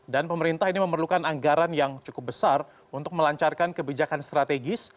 dan pemerintah ini memerlukan anggaran yang cukup besar untuk melancarkan kebijakan strategis